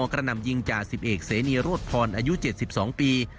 กระนำยิงจ่า๑๑เสนียรถพรอายุ๗๒ปี